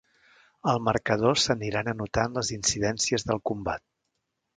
Al marcador s'aniran anotant les incidències del combat.